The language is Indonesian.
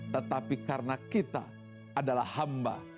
tetapi karena kita adalah hamba